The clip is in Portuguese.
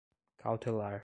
cautelar